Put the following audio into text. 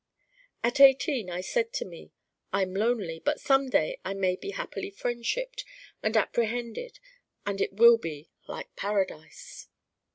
At eighteen I said to me: 'I'm lonely but some day I may be happily friendshiped and apprehended and it will be like paradise.